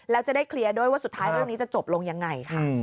แล้วจะได้เคลียร์ด้วยว่าสุดท้ายเรื่องนี้จะจบลงยังไงค่ะ